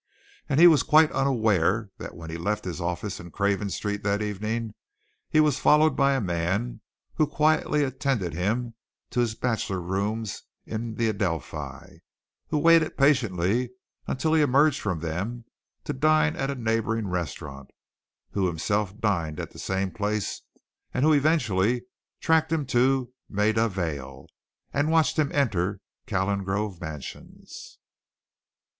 And he was quite unaware that when he left his office in Craven Street that evening he was followed by a man who quietly attended him to his bachelor rooms in the Adelphi, who waited patiently until he emerged from them to dine at a neighbouring restaurant, who himself dined at the same place, and who eventually tracked him to Maida Vale and watched him enter Calengrove Mansions.